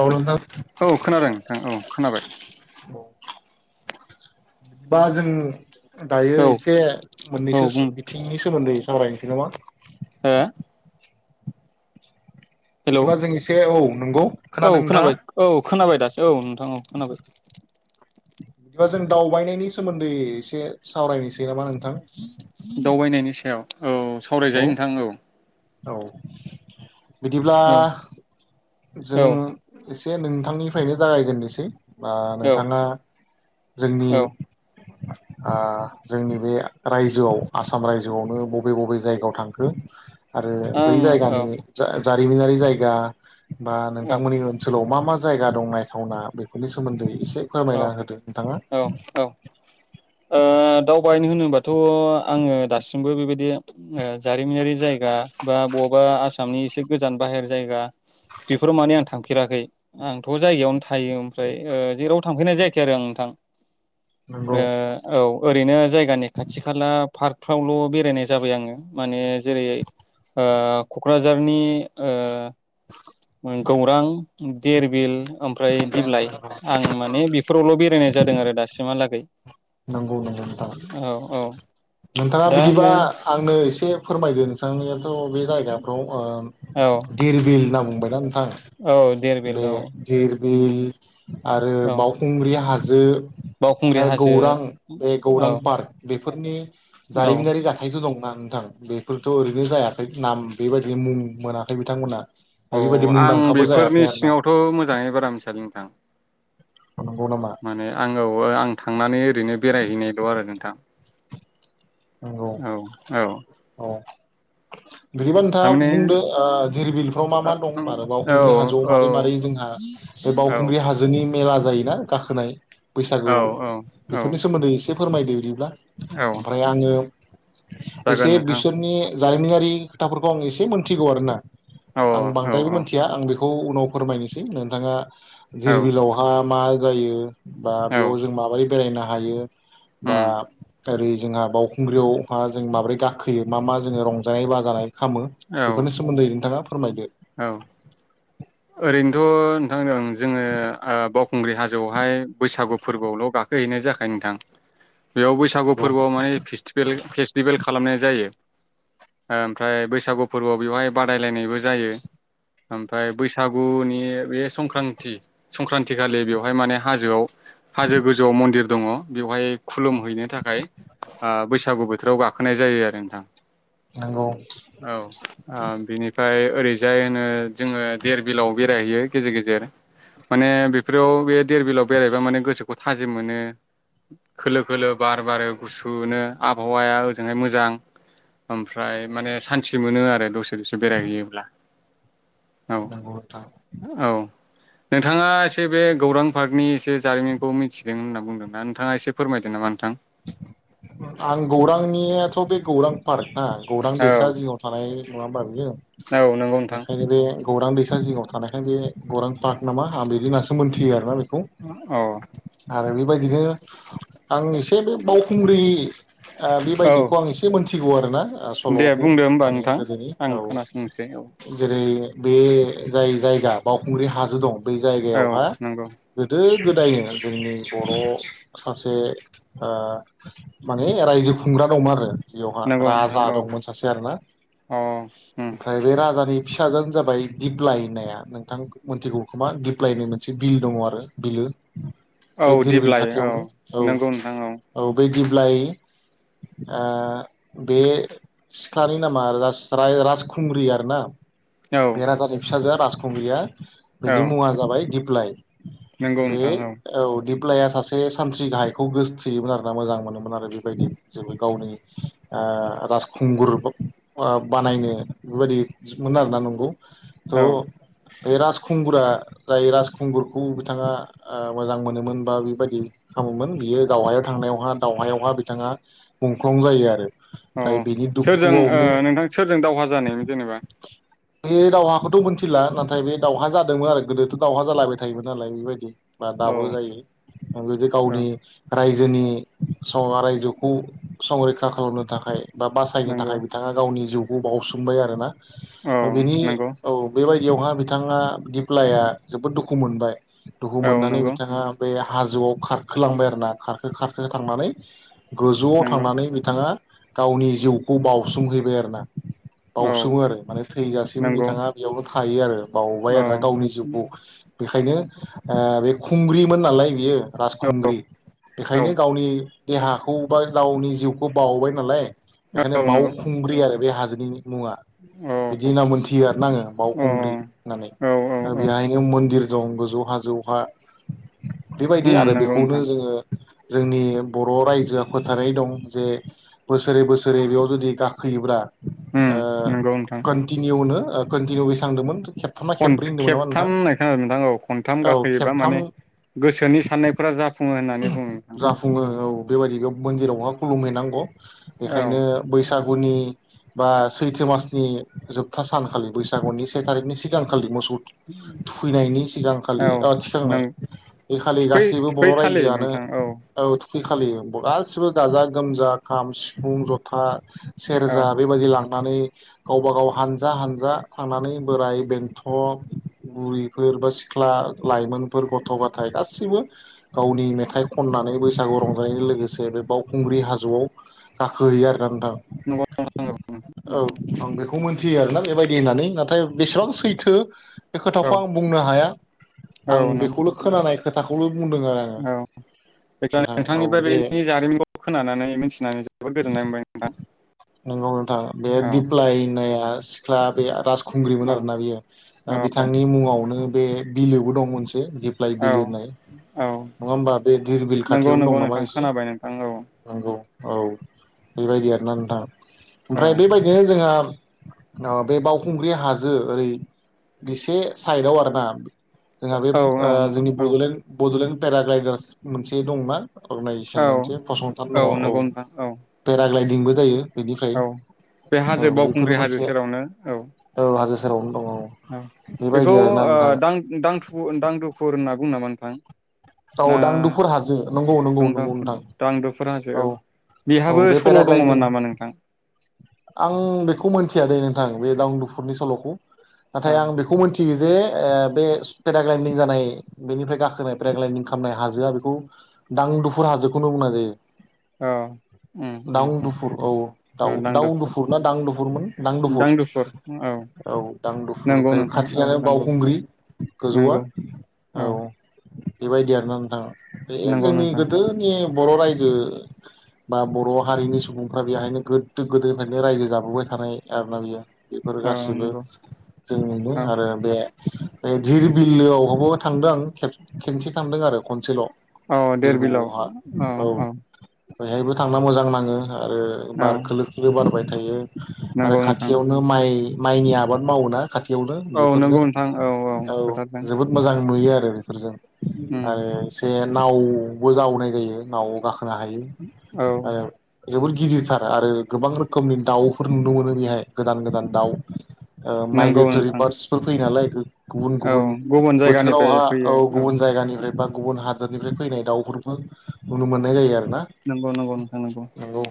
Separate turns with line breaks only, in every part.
ल द [inaudible]
औ खोनादों नोंथां औ खोनाबाय।
बा जों दायो
औ
एसे
औ
मोननैसो
बुं
बिथिंनि सोमोन्दै सावरायनोसै नामा!
हो हेलौ
बिदिबा जों एसे औ नंगौ
औ
खोनादों नोंथाङा
खोनाबाय औ खोनाबाय दासो औ नोंथां। औ खोनाबाय।
बिदिबा जों दावबायनायनि सोमोन्दै एसे सावरायनोसै नामा नोंथां
दावबायनायनि सायाव औ
नंगौ
सावरायजायो नोंथां औ
औ । बिदिब्ला
औ
जों
औ
एसे नोंथांनिफ्रायनो जागायजेननोसै बा
औ
नोंथाङा जोंनि
औ
ओ जोंनि बे रायजोआव आसाम रायजोआवनो बबे बबे जायगायाव थांखो? आरो बै
आं औ
जायगानि जा जारिमनारि जायगा बा
औ
नोंथांमोननि ओनसोलाव मा मा जायगा दं नायथावना बेफोरनि सोमोन्दै एसे
औ
फोरमायना होदो नोंथाङा ।
औ औ ओ दावबायनो होनोबाथ' आङो दासिमबो बेबायदि जारिमिनारि जायगा बा बबबा आसामनि एसे गोजान बाहेर जायगा बेफोराव माने आं थांफेराखै आंथ' जायगायावनो थायो ओमफ्राय जेरावबो थांफेरनाय जायाखै आरो आं नोंथां।
नंगौ
ओ
।
औ ओरैनो जायगानि खाथि खाला पार्कफ्रावल' बेरायनाय जाबाय आङो माने जेरै ओ क'क्राझार । जोंनि गौरां देरबिल ओमफ्राय दिप्लाय आं माने बेफोरावल' बेरायनाय जादों आरो दासिमहालागै ।
नंगौ नंगौ
औ
नोंथाङा नोंथाङा
दा
बिदिबा
आङो
आंनो एसे फोरमायदो नोंथांनि त' बे
औ
जायगाफ्राव दिरबिल होनना बुङो । [inaudible]
औ धेरबिल औ
बिल आरो
औ
बावखुंग्रि हाजो ज
बावखुंग्रि हाय
गौरां बे गौरां पार्क बे फोरनि
औ
जारिमिनारि जाथायथ' दंना नोंथां? बेफोरथ ओरैनो जायाखै नाम बेबायदि मुं मोनाखै बिथां मोनहा
अ आं बेफोरनि सिङावथ' मोजाङै बारा मिथियालै नोंथां
नंगौ नामा
माने आंवो आं थांनानै ओरैनो बेरायहैनायल' आरो नोंथां
नंगौ
औ औ
औ बिदिबा नोंथाङा
थारमाने
बुंदो धिरबि बिलफ्राव मा
ओ
मा दं होन
ओं
आरो
औ
बावखुंग्रि हाजोआव मारै मारै
औ
जोंहा बे
औ
बावउखुंग्रि हाजोनि मेला जायोना गाखोनाय
औ
बैसागुआव
औ औ
बेफोरनि सोमोन्दै एसे फोरमायदो बिदिब्ला
औ
ओमफ्राय आंङो [inaudible] एसे
जागोन नोंथां
बिसोरनि जारिमिनारि खोथाफोरखौ आं एसे मोनथिगौ आरो ना
औ
आं
औ
बांद्रायबो
औ
मिथिया आं बेखौ खौ उनाव फोरमायनोसै नोंथाङा
औ
दिरबिलावहाय मा जायो बा बेयाव जों माबोरै बेरायनो हायो बा
उम
ओै जोंहा बावखुंग्रियावहा जों माबोरै गाखोयो मा मा जों रंजानाय बाजानाय नाय खामो
औ
बेफोरनि सोमोन्दै नोंथाङा फोरमायदो
औ ओरैनो थ' नोंथांदों आं जोङो बावखुंग्रि हाजोआवहाय बैसागु फोरबोआवल' गाखोह हैनाय जाख नोंथां बेयाव बैसागु
नंगौ
फोरबोआव माने फस्टिभेल फेस्टिभेल खालामनाय जायो ओमफ्राय बैसागु फोरबोआव बेवहाय बादायलायनायबो जायो ओमफफ्राय बैसागुनि बे संक्रान्ति संक्रान्ति खालि बेवहाय माने हाजोआव हाजो गोजौआव मन्दिर दङ बेवहाय खुलुमहैनो थाखाय बैसागु बोथोराव गाखोनाय जायो आरो नोंथां।
नंगौ
औ बिनिफ्राय ओै जाय होनो जोङो देर बिलाव बेरायहैयो गेजेर गेजेर माने बेफोराव बे दधेर बिलाव बेरायहबा माने गोसोखौ थाजिम मोनो खोलो खोलो बार बारो गुसुनो आबहावाया ओजोंहाय मोजां ओमफ्राय माने सान्थि मोनो आरो दसे दसे बेरायहैयोब्ला। औ
नंगौ नोंथां।
औ नोंथाङा एसे बे गौरां पार्कनि एसे जारिमिनखौ मिथिदों होनना बुंदों ना नोंथाङा एसे फोरमायदों नामा नोंथां।
आं गौरांनियाथ' बे गौरां पार्क ना गौरां
औ
दैसा जिङाव थानाय नङाबा बेयो?
औ नंगौ नंगौ नोंथां।
गौरां दैसा जिङाव थानायखाय बे गौरां पार्क नामा आं बिदि नासो मोनथियो आरोना बेखौ
औ
आरो बेबायदिनो आंनि जे बे बावखुंग्रि ओ
औ
बेबायदिखौ आं एसे मोनथि गौ आरो ना ओ सल'
दे
ह
बुंदो होमबा
माने
नोंथां
गोदोनि
आं
औ
खोनासंनोसै औ
जेरै बे जाय जायगा बावखुंग्रि हाजो दं बै
औ
जायगायावहा
नंगौ
गोदो गोदायो जोंनि बर' सासे ओ माने रायजो खुंग्रा दंमोन आरो। बेयावहा
नंगौ नोंथां
राजा
औ
दंमोन सासे आरोना
औ उम
ओमफ्राय बे राजानि फिसाजानो जाबाय दिप्लाइ होननाया नोंथां मोनथिगौ खोमा दिप्लायनि मोनसे बिल दङ आरो बिलो।
औ
बे धिरबिल
दिप्लाय औ
खाथियावनो औ
नंगौ नोंथां औ।
बे दिब्लाय ओ बे सिखलानि नामा रास राय राजखुंग्रि आर ना।
औ
बेेराजानि फिसाजोआ राजासखुंग्रिया
औ
बेनि मुङा जाबाय दि फ्लाय
नंगौ
बे
नोंथां
औ दि दिप्लाइआ सासे सानथ्रि गाहायखौ गोसो थोयोमोन आरोना मोजां मोनोमोन आरो बेबायदि जेबो गावनि ओ राजखुंगुर ब बानायनो बेबायदिमोन आरोना नंगौ। थ
औ
बे राजखुंगुरा जाय राजखुंगुरखौ बिथाङा ओ मोजां मोनोमोन बा बेबायदि खालामोमोन बियो दावहायाव थांनायावहा दावहायावहा बिथाङा मुंख्लं जायो आरो।
अ
ओमफ्राय बिनि
सोरजों ओ
दुखुआवनो
नोंथां सोरजों दावहा जानो जेनेबा
बे दावहाखोथ' मोनथिला नाथाय बे दावहा जादोंमोन आरो गोदोथ' दावहा जालायबाय थायोमोन नालाय बेबायदि बा
औ
दाबो जायो ओ [unintelligible] जे
औ
गावनि रायजोनि सावहा रायजोखौ संरैखा खालामनो थाखाय बा बासायनो
नंगौ
थाखाय बिथाङा गावनि जिउ ब बावउसोमबाय आरो ना
औ
ओ बेनि
नंगौ
औ बेबायद बेयावहा बिथाङा दिप्लाइआ जोबोद दुखु मोनबाय दुखु
औ
मोननानै
नंगौ
बिथाङा बे [unintelligible] हाजोआव खारखोलांबाय आरो ना खारखो खारखो थांनानै गोजौआव
नंगौ
थांनानै बिथाङा गावनि जिउखौ बाउसोमहैबाय आरोना
औ
बाउसोमो आरो माने थैजासिम
नंगौ
बिथाङा बेयावनो थायो आरो बाउबाय आरोना गावनि जिउखौ बेख ओंखायनो ओ बे खुंग्रिमोन नालाय बियो
औ
राजखुंग्रि
औ
बेखायनो गावनि [unintelligible] देहाखौ बा गावनि जिउखौ बावबाय नालाय बेखायनो
नंगौ
बावखुंग्रि आरो बे हाजो इनि मुङा
औ
बिदि होनना मोनथियो आरोना आङो
औ
बावउखुंग्रि होननानै
औ औ
दा
औ
बेहायनो मोन्दिर दं गोजौ हा जौहा बेबायदि
उम
आरो
नंगौ नोंथां
बेखौनो जोङो जोंनि बर' रायजोआ फोथायनाय दं जे बोसोरै बोसोरै बेयाव जुदि गाखोयोब्ला
उम
ओ
नंगौ नोंथां
कोन्टिनिउनो ओ कोनटिनिउ बे सांदोंमोन
खन खेबथाम होननाय खोनादों नोंथां औ खनथाम
औ
गाखोयोबा
खेबथाम
माने गोसोनि साननायफोरा जाफुङो होननानै बुङो नोंथां औ
जाफुङो औ बेबायदि बेयाव मोन्दिरावहाय खुलुमहैनांग'
औ
बेखायनो बैसाग गुनि बा सैथो मासनि जोबथा सानखालि बैसागुनि से थारिकनि सिगांखालि मोस [unintelligible] थुखैनायनि सिगां खालि
औ
ओ
नों
थिखांनाय बे खालि
थुखै
गासैबो बर' राइज
[unintelligible] नोंथां औ
बे खालि बुरा गासिबो गाजा गोमजा खाम सिफुं जथा
औ
सेरजा बेबायदि लां नानै गावबा गाव हानजा हानजा थांनानै बोराय बेन्थ' बुरैफोर बा सिख्ला लाइमोनफोर गथ' गथाय गासिबो गावनि मेथाइ खननानै बैसागु रंजानायजों लोगोसे बे बावखुंग्रि हाजोआव गाखोहोयो आरो। नोंथां
नंगौ
औ आं बेखौ मिथियो आरोना बेबायदि होननानै नाथाय बेसेबां सैथो थो बे
औ
खोथाखौ आं बुंनो हाया आं
नंगौ
बेखौल' खोनानाय खोथाखौल' बुंदों आरो। आङो
औ जायखि
नोंथां
जाया
औ
नोंथांनिफ्राय
बे
बेनि जारिमिनखौ खोनानानै मिथिनानै जोबोद गोजोननाय मोनबाय नोंथां औ।
नाया सिख्लाब बे राजखुंग्रिमोन
औ
आरोना बेयो दा बिथांनि मुङावनो बे बिलोबो दं मोनसे दिफ्लाय
औ
बिलिरनाय।
औ
नङा हबा बे धिरबिल
नंगौ
खाथियावनो
नंगौ
दं नामा
नोंथां
एसे
खोनाबाय नोंथां औ
नंगौ। औ बेबायदि आरोना नोंथां।
औ
ओमफ्राय बेबायदिनो जोंहा अ बे बावखुंग्रि हाजो ओरै बेसे साइदआव आरोना। जोंहा बे
औ औ
ओ
नंगौ
जोंनि
औ
बड'लेण्ड बड'लेण्ड पेराग्लायदार्स मोनसे दं ना। अगनाजेसन
औ
मोनसे फसंथान दङ औ
नंगौ नोंथां औ
पेराग्लाय इंबो जायो। बेनिफ्राय
औ बे
औ
हाजो
बेफोर
बावखुंग्रि हाजो
मोनसे
सेरावनो औ।
[unintelligible]
औ बेखौ
बेबायदि आरोना
ओ
नोंथाङा
दां दांथुुर दांथुफुर होनना बुंङो नामा? [unintelligible]
औ
ना
दांदुफोर हाजो नंगौ नंगौ नंगौ
दांदाफुर
नोंथां।
दांदुफुर हाजो औ बेहाबो
औ बे
सल' दङमोन
पेराग्लायदिं
नामा नोंथां?
मिथिया दे नोंथां बे दावदुफुरनि सल'खौ। नाथाय
औ
आं बेखौ मोनथियो जे बे ए पेराग्लायदिं जानाय बेनिफ्राय गाखोनाय पेराग्लायदिं खालामनाय हाजोआ बेखौ दांदुफुर हाजोखौनो बुंनाय जायो।
औ उम उम उम
दांदुफुर औ
औ
दाउ दाउ
दांदुफुर
दुफुर ना दांदुफुर मोन दांदुफुर दांदुफुर औ दांदुफुर
नंगौ
ओमफ्राय
नोंथां औ
खाथियानो
नंगौ
बावखुंग्रि गोजौआ
नंगौ
औ। बेबायदि आरो ना नोंथाङा। बे
नंगौ
जोंनि
नोंथां
गोदोनि बर' रायजो। बा बर' हारिनि सुबुंफ्रा बेहायनो गोदो गोदोनिफ्रायनो रायजो जाबोबाय थानाय आरोना बियो। बेफोर
औ
गासैसिबो
नंगौ
जों नुयो
औ
आरो बे बे धिर बिलोआव बो थांदों आं खेब खेबसे थांदों आरो खनसेल'।
औ
धिर
देर बिलाव
बिलोआवहा
औ औ।
बेहायबो थांना मोजां नाङो। आरो बार
औ
खोलो खोलो बारबाय थायो। आरो
नंगौ नोंथां
खाथियावनो माइ माइनि आबाद मावोना? खाथियावनो
औ नंगौ
बेफोरजों
नोंथां औ
औ
फोथारजों
जोबोद मोजां नुयो आरो बेफोरजों।
उम
आरो से नाव बो जावनाय जायो नाववाव गाखो नो हा
औ
जोबोद गिदिरथार आरो गोबां रोखोमनि दाउफोर नुनो मोनो बेहाय। गोदान गोदान दाउ ओ
नंगौ
माइग्रेटरि
नोंथां
बार्डसफोर फैयो नालाय। [unintelligible] गुबुन गुबुन
औ जायगानिफ्राय
बोथोरावहा औ
फैयो
गुबुन जायगानिफ्राय बा गुबुन हा दोरनिफ्राय फैनाय दाउफोरखौ नुनो मो ननाय जायो आरो। ना
नंगौ नंगौ नोंथां
नंगौ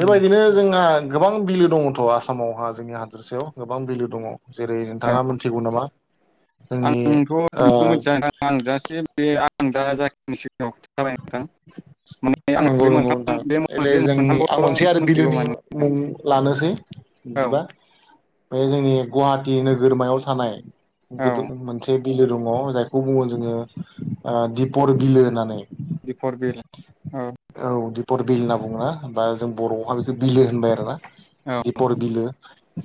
औ
जोंहा गोबां बिलो दङथ' आसामावहा जोंनि हादोरसायाव गोबां बिलो दङ। जेरै
औ
नोंथाङा मिथिगौ नामा जोंनि
आंथ' बेखौ
ओ
मिथिया नोंथां आं [unintelligible] आं दा जाखिनि [unintelligible] माने आं
नंगौ
बे
नंगौ
मोनथाम
नोंथां
बे
एले
बे
जोंनि आं
मोनथामखौल'
मोनसे आरो
मिथिगौ
बिलोनि
माने
मुं लानोसै
औ
बिदिबा। बे जोंनि गुवाहाटि नोगोरमायाव थानाय
औ
गोदिर मोनसे बिलो दङ जायखौ बुङो जोङो ओ दिपर बिलो होननानै।
दिपर बिल
औ दिपर बिल होनना बुङोना बा जों बर'आवहा बेखौ बिलो होनबाय आरो ना।
औ
दिपर बिलो।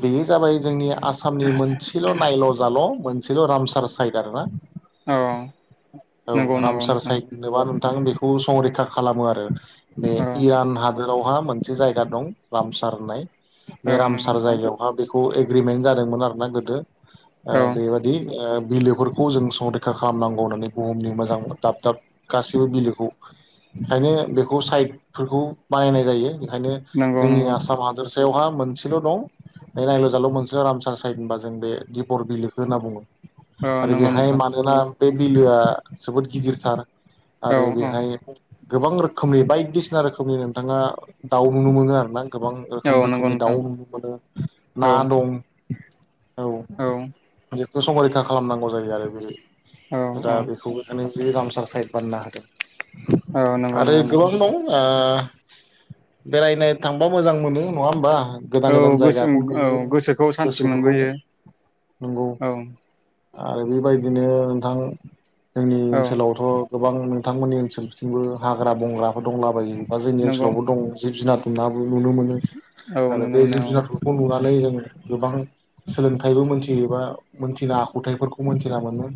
बेयो जाबाय जोंनि आसामनि मोनसेल' नायल' जाल' मोनसेल' रामसार साइदार ब्रा
औ
औ
नंगौ नंगौ
रामसार
नोंथां
साइद [unintelligible] [unintelligible] खौ संरैखा खालामो आरो। बे
औ
इरान हादोराव हा मोनसे जायगा दं रामसार होननाय
औ नंगौ
बेरामसार
नोंथां
जायगायावहा बेख खौ एग्रिमेन्ट जादोंमोन आरो ना गोदो। ओ
औ
बेबादि ओ बिलोफोरखौ जों संरैखा खालामनांगौ होननानै बुहुमनि मोजां दाब दाब गासैबो बिलोखौ ओंखायनो बेखौ साइडफोरखौ बाहायनाय जायो। ओंखायनो
नंगौ
जोंनि
नंगौ
आसाम हादोर सायावहा मोनसेल दं। बे नायल' जाल' मोनसेल' रामसार साइद होनबा जों बे दिपर बिलोखौ होनना बुङो।
औ
आरो
नंगौ
बेहाय
नोंथां
मानोना बे बिलोआ जोबोद गिदिर थार।
औ
आरो बे नाय गोबां रोखोमनि बायदिसिना रोखोमनि नों नोंथांङा दाउ नुनो मोनो आरो ना। गोबां रोखोम
औ नंगौ
रोखोमनि
नोंथां
दाउ नुनो मोनो ना
औ
दं। औ
औ
[unintelligible] बेखौ संरैखा खालामनांगौ जायो आरो
औ
[unintelligible] दा बेखौ होनै नो रामसाय साइद बानायनो होदों।
औ नंगौ
आरो
नंगौ
गोबां दं ओ बेरायनो थांबा मोजां मोनो नंङा होमबा? गोदान
औ
गोदान
गोसो
जायगाखौ
औ
नुयो
गोसोखौ सान्थि
गोसोफोरखौ
मोनबोयो
नंगौ
औ।
आरो बेबायदिनो नोंथां। जोंनि
औ
ओनसोलावथ' गोबां बिथांमोननि ओनसोलथिंबो हाग्रा-बंग्राफोर दंलाबायो। दा जोंनि
नंगौ
ओनसोलावबो दं जिब जुनार। नाबो नुनो मोनो।
औ
आरो
नुनो
बे
मोनो औ
जिब-जुनारफोरखौ नुना ओ जोंङो गोबां सोलोंथाइबो मोनथियोबा मोनथिना आखुथायाइफोरखौ मोनथिना मोनो।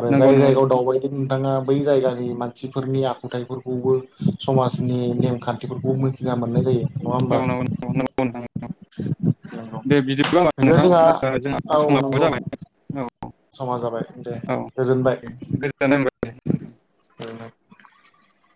आरो
नंगौ
जाय
नंगौ
जायगायाव
नोंथां
दंबायदों बिथाङा बै जायगानि मान मानसिफोरनि आखुथाइफोरखौबो समाजनि नेम खान्थिफोरखौ मोनथिना मो
औ नंगौ [unintelligible] नंगौ नोंथां औ नंगौ
नंगौ
दे बिदिब्ला
बिदिबा
नोंथां
जोंहा
ओ जोंहा
औ
समाबो
नंगौ
जाबाय औ
समा जाबाय दे
औ दे
गोजोनबाय
गोजोननाय मोनबाय दे नोंथां
[unintelligible]